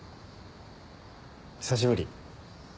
久しぶり。